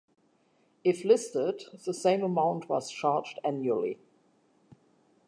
If listed, the same amount was charged annually.